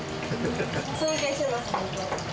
尊敬してます、本当。